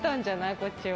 こっちを。